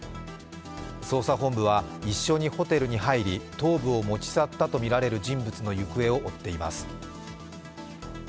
捜査本部は一緒にホテルに入り頭部を持ち去ったとみられる人物の行方を追っています。